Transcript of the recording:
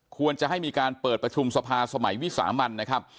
ควรจะให้มีการเปิดประชุมสภาสมัยวิสามันนะครับ